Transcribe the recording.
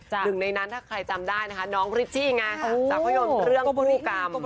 หนึ่งในนั้นถ้าใครจำได้นะคะน้องริชชี่ไงจากภาพยนตร์เรื่องพฤติกรรม